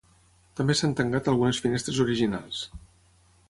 També s'han tancat algunes finestres originals.